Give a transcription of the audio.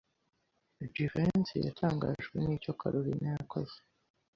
Jivency yatangajwe nibyo Kalorina yakoze.